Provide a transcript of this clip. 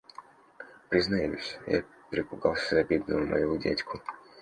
Признаюсь, я перепугался за бедного моего дядьку.